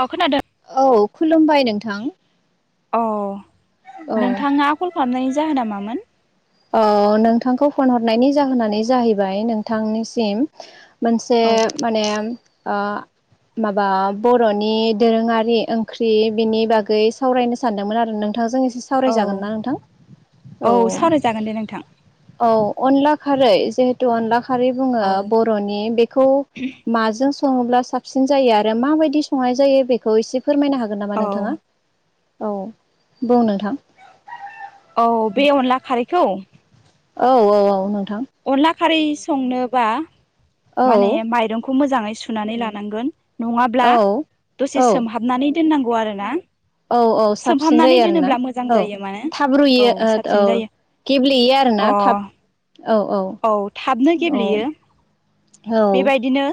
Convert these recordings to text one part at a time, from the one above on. औ खोनादों। औ खुलुमबाय नोंथां। अ औ नोंथाङा कल खालामनायनि जाहोन नामामोन। नोंथांखौ फन हरनायनि जाहोनानो जाहैबाय नोंथांनिसिम। मोनसे औ माने ओ माबा बर'नि दोरोङारि ओंख्रि बिनि बागै सावरायनो सानदोंमोन आरो नोंथांजों औ सावरायजागोन ना नोंथां औ। सावरायजागोन दे नोंथां औ अनला खारै जिहेतु अनला ख बु औ बर'नि बेखौ मों सङोब्ला साबसिन जायो आरो माबायदि संनाय जायो बेखौ एसे फोरमायनो हागोन नामा औ नोंथाङा? औ बुं नोंथां। औ बे अनला खारैखौ औ औ औ नोंथां अनला खारै संनोबा माने औ माइरंखौ मोजां मोजाङै सुनानै लानांगोन नङाब्ला औ दसे औ सोमहाबनानै दोननांगौ आरोना औ औ साबसिन जायो आरोना औ जायो माने थाब औ रूयो औ साबसिन जायो गेब्लेयो अ आरोना थाब औ थाबनो गेब्लेयो औ औ बेबायदिनो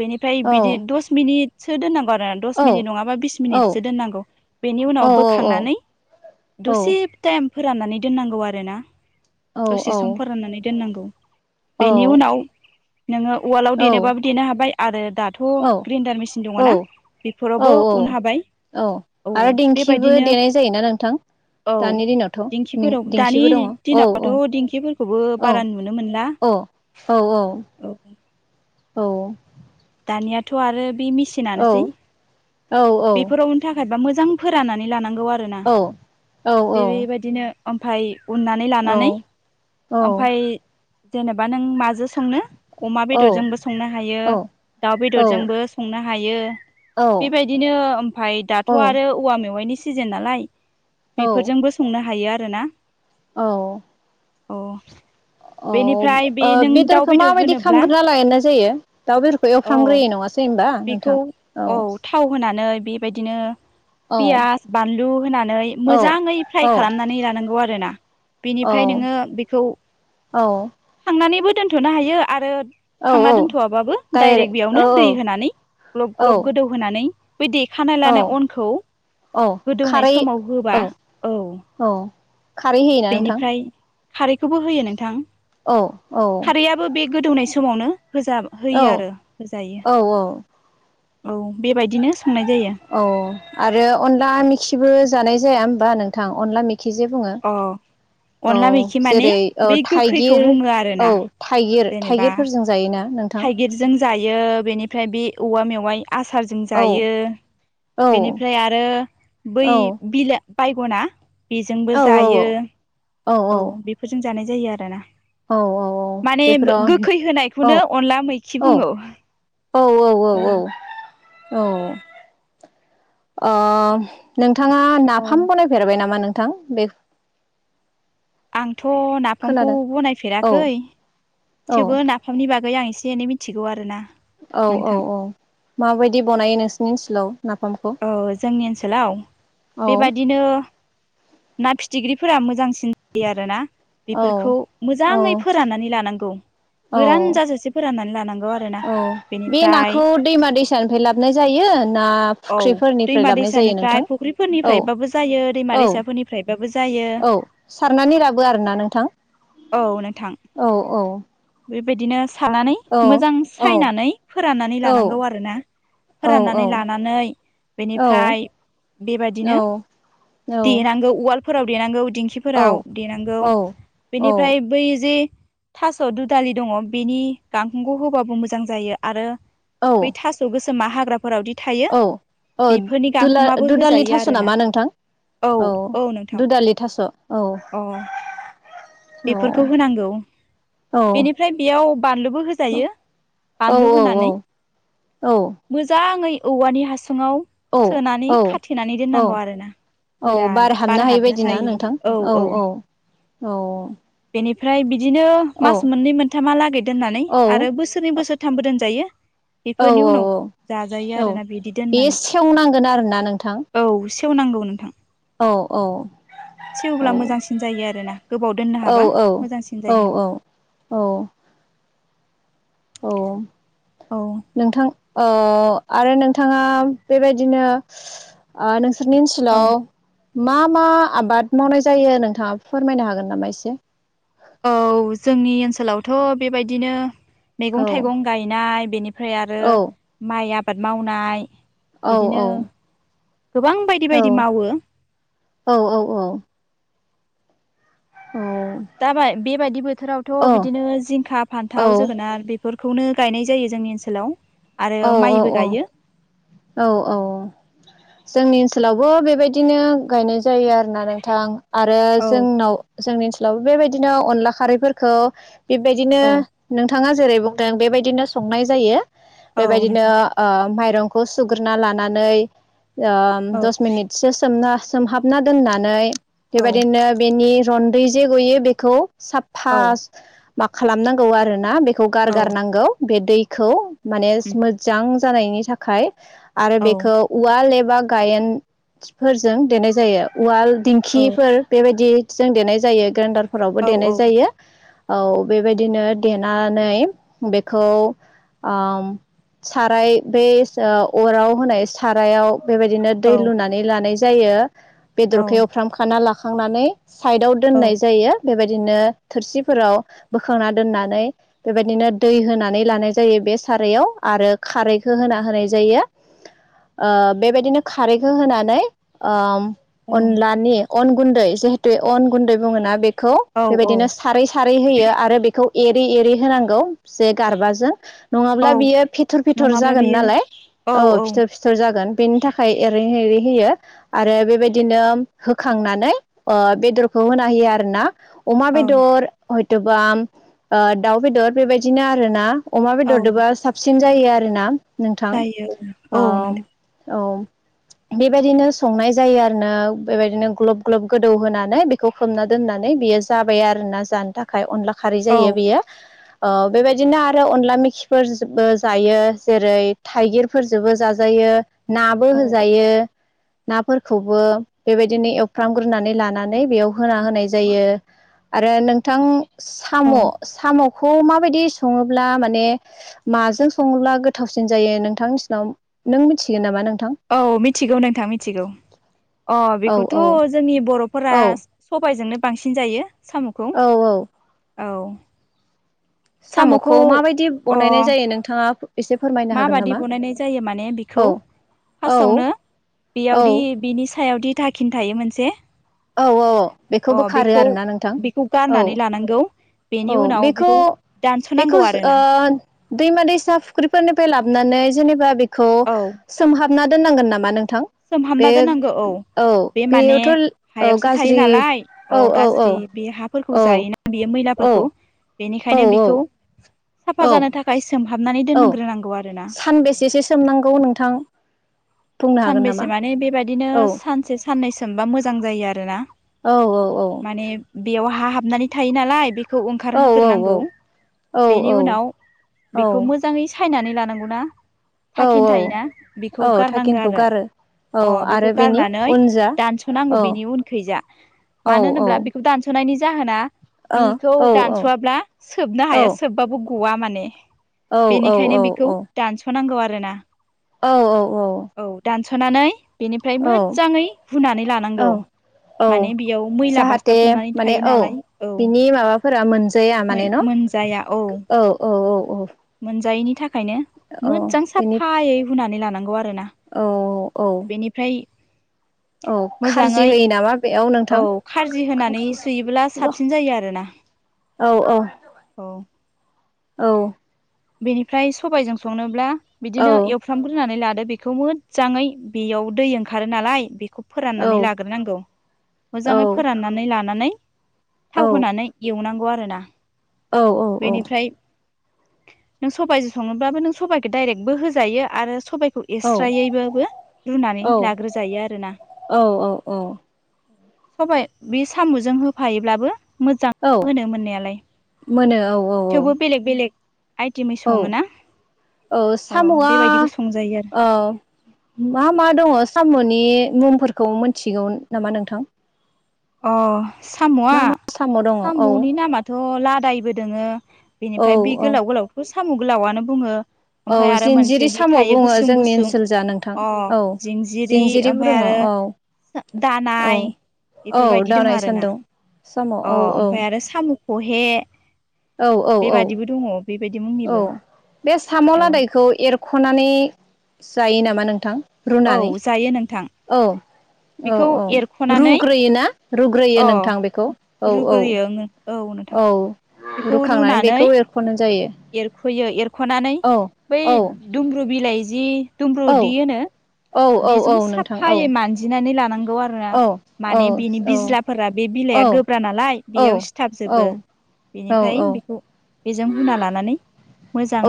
बेनिफाय बिदि औ दस मिनिटसो दोननांगौ औ दस मिनिट नङाबा बिस मिनिटसो दोननांगौ बेनि औ उनाव बोखांनानै दुसिब टाइम फोराननानै दोननांगौ आरोना दसे सम फोराननानै दोननांगौ। बेनि उनाव नोङो उवालाव औ देेनबाबो देनो हाबाय आरो। दाथ' ग्रेन्डार मेसिन दङ'ना औ बेफोरावबो उन हाबाय औ आरो दिंखिबो देनाय जायोना नोंथा औ दानि दिनावथ' दिंखिफोराव दानि दिंखिबो दङ'। औ दिनावथ' औ। दिंखिफोरखौबो औ बारा नुनो मोनला औ औ औ औ दानियाथ' आरो बि औ मेचिनानोसै। औ बेफोरावनि थाखायबा मोजां फोराननानै लानांगौ आरोना बे बेबायदिनो ओमफाय उननानै औ लानानै औ ओमफाय जेनेबा नों माजों सोंनो अमा औ बेदरजोंबो संनो हायो औ दाउ औ बेदरजोंबो संनो हायो औ बिदिनो ओमफाय दाथ' आरो औ औवा मेवाइनि सिजोन नालाय बेफोरजोंबो संनो हायो आरो आरोना औ औ अ बेनिफ्राय बे ओ नों दाउ बेदरखौ बेदर माबायदि होनोब्ला खालामामग्रोना लाय जायो दाउ बेदरखौ औ एवफ्रामग्रोयो नङा बेखौ औ थाव होनानै बिबायदिनो औ पियास बानलु होनानै औ मोजाङै औ फ्राय खालामनानै लानांगौ आरोना। औ बिनिफ्राय नोङो बेखौ औ खांनानैबो दोन्थ'नो हायो आरो औ खांना औ दोनथ'वाबाबो दाइरेक डायरेक्ट औ बेयावनो दै होनानै ग्लब औ ग्लब गोदौहोनै बै देखानाय औ लानाय अनखौ औ होदौनाय खारै समाव औ होबा औ औ खारै होयोना नोंथां बेनिफ्राय खारैखौबो होयो नोंथां। औ औ खारैआबो बे गोदौनाय समावनो होजा औ होयो आरो होजायो औ औ औ बेबाय औ आरो अनला मिखिबो जानाय जाया होमबा नोंथां अनला मि खि जे बुङो अ औ अनला मैखि माने जेरै औ बे गोखैखौ थाइगिर बुङो औ आरोना थाइगिर जेनेबा थाइगिरफोरजों जायोना नोंथां थाइगिरजों जायो बेनिफ्राय बे औवा मेवाइ आसारजों औ जायो औ बेनिफ्राय आरो बै औ बिला बायगना बेजोंबो औ जायो। औ औ जानाय जायो आरो ना। औ औ माने बेफोराव गोखै औ होनायखौनो अनला मैखि औ बुङो। औ औ औ औ औ आ नों थाङा औ नाफाम बनायफेरबाय नामा नोंथां बे आंथ' नाफामखौ खोनादों औ बनायफेराखै औ थेवबो नाफामनि बागै आं एसे एनै मिथिगौ आरोना औ औ नोंथां औ माबायदि बनायो नोंसोरनि ओनसोलाव नाफामखौ औ जोंनि ओनसोलाव औ बेबादिनो ना फिथिख्रिफोरा मोजांसिन जायो आरोना औ बेफोरखौ औ मोजाङै फोराननानै लानांगौ औ गोरान जाजासे फोराननानै ला औ बे नाखौ दैमा दैसानिफ्राय लाबोन जायो ना औ फुख्रिफोरनिफ्राय दैमा लाबोनाय जायो दैसानिफ्राय नोंथां औ फुख्रिफोरनिफ्रायबाबो जायो दैमा औ दैसाफोरनिफ्रायबाबो जायो। औ सारनानै लाबो आरो ना नोंथां? औ नोंथां औ औ बेबायदिनो सानानै मोजां औ औ सायनानै फोराननानै औ लानांगौ आरो ना औ फोराननानै लानानै औ बेनिफ्राय औ बेबायदिनो देनांगो उवाल फोराव देनांगौ दिंखिफोराव देनांगौ बेनिफ्राय बै जे था स'दुदालि दङ बेनि गांखंखौ होबाबो मोजां जायो आरो औ बै थास' गोसो मा हाग्राफोरावदि थायो औ औ बेफोरनि दुला गांखङाबो दुदालि होजायो थास' आरो ना नामा नोंथां औ औ नोंथां दुदालि थास' औ औ अ औ बेफोरखौ होनांगौ। औ बेनिफ्राय बेयाव बानलुबो औ होजायो बानलु औ होनानै मोजाङै औवानि हासुङाव औ सोनानै औ खाथेनानै औ दोननांगौ आरोना औ बार हाबनो हायै बादि ना नोंथां औ औ औ बेनिफ्राय बिदिनो औ मास मोननै मोनथामा लागै दोननानै औ आरो बोसोरनै बोसोर थामबो दोनजायो औ बेफोरनि औ उनाव जाजायो औ आरोना बिदि बेयो दोननानै सेवनांगोन आरोना नोंथां औ सेवनांगौ नोंथां औ औ सेवब्ला मोजांसिन जायो आरो ना गोबाव दोननो औ हाबा औ मोजांसिन औ जायो औ औ औ औ नोंथां ओ आरो नोंथाङा बेबायदिनो ओ नों सिनि ओनसोलाव औ मा मा आबाद मावनाय जायो नोंथाङा फोरमायनो हागोन नामा एसे? औ जोंनि ओनसोलावथ' बेबायदिनो औ मैगं थाइगं गायनाय ओमफ्राय आरो माइ आबाद मावनाय औ बिदिनो औ गोबां बायदि औ बायदि मावो औ औ औ। दा बाय बेबायदि बोथोरावथ' औ बिदिनो जिंखा औ फान्थाव जोगोनार बे फोरखौनो गायनाय जायो जोंनि ओनसोलाव आरो औ माइबो औ गायो। औ औ जोंनि ओनसोलावबो बेबायदिनो गायनाय जायो आरो ना नोंथां आरो औ जोंनाव जोंनि ओनसोलावबो बेबाय दिनो अनला खारैफोरखौ बेबायदिनो औ नोंथाङा जेरै बुंदों बेबायदिनो संनाय जायो औ बेबायदिनो नोंथां ओ माइ रंखौ सुग्रोना लानानै ओ औ दस मिनिटसो सोमना सोमहाबना दोननानै औ बेबायदिनो बेनि रन्दै जे गयो बेखौ साफा औ मा खालामनांगौ आरोना बेखौ औ गारगारनांगौ बे दै खौ माने उम मोजां जानायनि थाखाय आरो औ बेखौ उवाल ए बा गायेनफोरजों देनाय जायो उवाल औ दिंखिफोर बेबायदि जों देनाय जायो ग्रेन्डारफोरावबो औ देनाय जायो औ बेबायदिनो देनानै बेखौ आम साराय बे अराव होनाय सारायाव बेबायदिनो औ दै लुनानै लानाय जायो। बेदरखौ एवफ्राम खाना लाखांनानै साइडाव औ दोननाय जायो बेबाय दिनो थोरसिफोराव बोखांना दोननानै बेबायदिनो दै होनानै लानाय जायो। बे सारायाव आरो खारैखौ होना होनाय जायो। ओ बेबायदिनो खारैखौ होनानै ओम अनलानि अन गुन्दै जिहेतु अन गुन्दै बुङोना बे खौ औ औ बेबायदिनो सारै सारै होयो आरो बेखौ एरै एरै होनांगौ जे गारबाजों औ नङाब्ला बियो फितर फितर नङाब्ला जागोन बेयो नालाय औ फिथर फिथर जा गोन बेनि थाखाय एरै एरै होयो आरो बेबायदिनो होखांनानै ओ बे बेदरखौ होना होयो आरो ना। अमा औ बेदर हयथ'बा ओ दाउ बेदर बेबायदिनो आरोना। अमा औ बेदरदोबा साबसिन जायो आरोना नोंथां जायो अ औ नोंथां औ। [inaudible] बेबायदिनो संनाय जायो आरो ना बेबायदिनो ग्लब ग्लब गोदौ होनानै बेखौ खोबना दोननानै बे यो जाबाय आरोना जानो थाखाय अनला खारै औ जायो बियो। ओ बेबायदिनो आरो अनला मेखिफोर बो जायो जेरै थाइगिर फोरजोबो जाजायो। नाबो औ होजायो। औ नाफोरखौबो बेबायदिनो एवफ्रामग्रोनानै लानानै बेयाव होना होनाय जायो। आरो नोंथां साम' औ साम'खौ माबायदि सङोब्ला माने माजों सङोब्ला गोथावसिन जायो नोंथांनिसिनाव नों मिथिगोन नामा नों औ मिथिगौ नोंथां मिथिगौ अ औ बेखौथ' औ जोंनि बर'फोरा औ स सबायजोंनो बांसिन जायो। साम'खौ औ औ। औ साम'खौ माबायदि अ बनायनाय जायो नोंथाङा एसे फोरमायनो हागोन माबादि नामा? बनायनाय जायो माने बेखौ औ औ फासावनो औ बेयावदि बिनि सायाव दि दाखिन थायो मोनसे औ औ अ बोखारो बेखौ आरोना नोंथां बेखौ औ गारनानै लानांगौ। बेनि औ उनाव बेखौ दानस'नांगौ बेखौ ओ आरोना दैमा दैसा फुख्रिफोरनिफ्राय ला बनानै जेनेबा बेखौ औ सोमहाबना दोननांगोन नामा नों थां सोमहाबना बे दोननांगौ औ बे माने बेयावथ' हायावसो थायो नालाय अ औ गाज्रि बे हाफोरखौ औ जायोना बेयो मैलाफोरखौ औ बेनिखायनो बिखौ साफा औ जानो थाखाय सोमहाबनानै औ दोनग्रोनांगौ आरोना सानबेसेसो सोमनांगौ नोंथां बुंनो हागोन नामा? सानबैसे माने बेबादिनो औ सानसे साननै सोमबा मोजां जायो आरोना औ औ औ माने बेयाव हा हाबनानै थायो नालाय बे खौ औ ओंखारहोग्रोनांगौ बेनि उनाव औ बेखौ मोजाङै सायनानै लानांगौ ना औ थाखि औ थायोना बेखौ औ गारनांगोन थाकिनखौ आरो आरो गारो औ अ बेखौ आरो बेनि गारनानै उनजा दानस'नांगौ बेनि औ उनखैजा औ मानो औ ओ होनोब्ला बेखौ दानस'नायनि जाहोना औ बिखौ औ दानस'वाब्ला सोबनो औ हाया सोबबाबो गवा माने औ बेनिखायनो बेखौ दानस'नांगौ आरोना औ औ औ औ दानस'नानै बेनिफ्राय मोजाङै रुनानै औ लानांगौ औ माने बेयाव मैला जाहाथे बासथाबजोबनानै माने थायो औ नालाय औ बिनि माबाफोरा मोनजाया माने न' औ औ औ औ मोनजायैनि थाखायनो औ मोजां बेनि साफायै हुनानै लानांगौ आरो ना औ औ औ खारजि मोजाङै होयो नामा बेयाव औ नोंथां? खारजि होनानै सुयोबोला साबसिन जायो आरोना [unintelligible] औ औ औ औ बेनिफ्राय सबायजों संनोब्ला औ बिदिनो एवफ्रामग्रोनानै ला दो आरो बेखौ मोजाङै बेयाव दै ओंखारो नालाय बेखौ फोराननानै लाग्रोनांगौ औ मोजाङै फोराननानै लानानै औ थाव होनानै एवनांगौ आरोना औ औ औ बेनिफ्राय नों सबाइजों संनोब्लाबो नों सबाइखौ डाइरेक्टबो होजायो आरो सबायखौ खौ औ एस्रायैबाबो रुनानै लाग्रोजायो आरोना अ सबाय बे साम'जों होफायोब्लाबो मोजां औ मोनो मोननायालाय मोनो औ औ थेवबो औ बेलेग बेलेग थिमै औ सङो ना औ साम'आ आरो औ मा मा दङ' साम'नि मुंफोरखौ मोनथिगौ नामा नोंथां? अ साम'आ मा मा साम' दङ औ साम'नि नामाथ' थह लादायबो दोङो औ बेनिफ्राय बे औ गोलाव गोलावखौथ' साम' गोलावानो बुङो औ ओमफ्राय आरो जिन्जिरि मोनसेदि साम' थायो बुङो गुसुं जोंनि गुसुं ओनसोल जा नोंथां अ औ जिंजिरि जिन्जिरिबो ओमफ्राय दङ आरो औ औ दानाय औ बेफोरबायदि दं दावनाय आरो ना सान्दुं साम' औ अ औ ओमफ्राय आरो साम' खहे औ औ औ बेबादिबो दङ बेबायदि औ मुंनिबो बे साम' औ लादायखौ एरख'नानै जायो नामा नोंथां? औ रुनानै जायो नोंथां औ औ बेखौ औ एरख'नानै रुग्रोयो ना रुग्रोयो अ नोंथां बेखौ औ औ रुग्रोयो औ नोंथां औ बेखौ रुखांनानै रुनानै बेखौ एरख'नाय जायो एरख'यो एरख'नानै औ बै औ दुमब्रु बिलाइ जि औ दुमब्रुदि होनो औ औ बेजों औ नोंथां औ साफायै मानजिनानै लानांगौ आरोना औ औ माने बिनि औ बिज्लाफोरा बे बिलाइआ औ गोब्रा नालाय औ बेयाव सिथाबजोबो बेनिफ्राय बेखौ बेजों हुना ला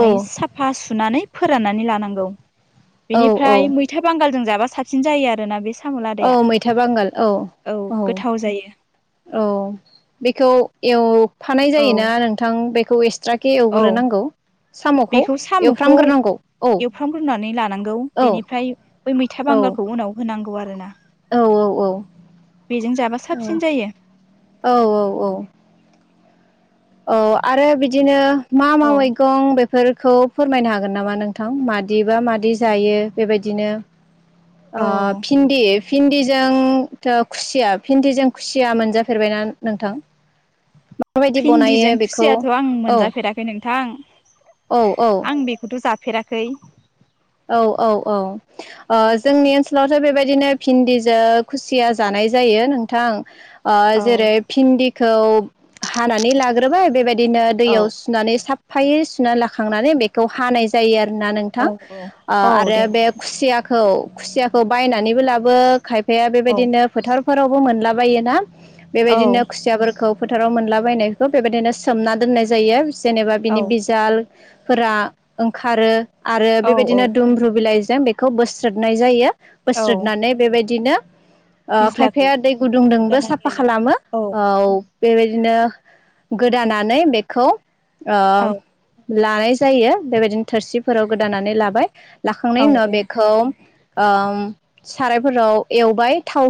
औ साफा सुनानै फोराननानै लानांगौ औ औ बेनिफ्राय मैथा बांगालजों जाबा साबसिन जायो आरोना बे साम' औ लादाया मैथा बांगाल औ औ गोथाव जायो औ बेखौ एव- फानाय औ जायोना नोंथां बेखौ एक्सट्राके औ एवग्रोनांगौ साम'खौ बेखौ साम'खौ एवफ्रामग्रोनांगौ औ एवफ्रामग्रोनानै लानांगौ औ बेनिफ्राय बै मैथा औ बांगालखौ उनाव होनांगौ आरो ना औ बेजों जाबा औ साबसिन जायो। औ औ औ औ आरो बिदिनो मा मा औ मैगं बे- फोरखौ फोरमायनो हागोन नामा नोंथां मादिबा मादि जायो बेबायदिनो अ औ भिनदि भिन्दिजोंथ' खुसिया भिन्दिजों खुसिया मोनजाफेरबायना नोंथां? माबाय भिन्दिजों खुसियाथ' आं मोनजाफेराखै नोंथां औ औ आं बेखौथ' जा- फेराखै औ औ औ ओ जोंनि ओन सोलावथ' बेबायदिनो भिन्दिजों खुसिया जानाय जायो नोंथां ओ जेरै भिन्दिखौ हानानै लाग्रोबाय बेबाय- दिनो औ दैयाव सुनानै साफफायै सुनानै लाखांनानै बेखौ हानाय जायो आरो ना औ नोंथां औ आरो दे बे नोंथां खुसियाखौ खुसियाखौ बायनानैबो लाबो खाय- फाया बेबायदिनो फोथारफोरावबो मोनला बायोना औ बेबायदिनो खुसियाफोरखौ फोथाराव मोनलाबायनायखौ बेबायाददिनो सोमना दोननाय जायो जेनेबा औ बिनि बिजाल फोरा ओंखारो आरो औ औ बेबायदिनो दुमर्रु बिलाइ जों बेखौ बोस्रोदनाय जायो औ बोस्रोदनानै बेबायदिनो ओ बिज्लाखौ खायफाया दै गुदुंदोंबो हुगारनानै साफा लायो खालामो औ बेबाय दिनो गोदानानै बेखौ ओ औ लानाय जायो बेबायदिनो थोरसिफोराव गोदानानै लाबाय लाखांनायनि औ उनाव औ बेखौ ओम सारायफोराव एवबाय थाव